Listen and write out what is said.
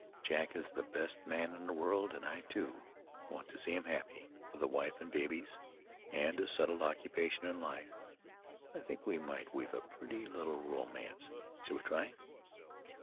Jack is the best man in the world, and I, too, want to see him happy, with a wife, and babies, and a settled occupation in life. I think we might weave a pretty little romance. Shall we try?"